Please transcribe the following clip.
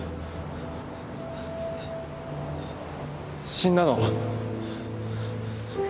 死んだの？